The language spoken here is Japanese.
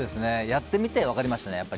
やってみて分かりましたね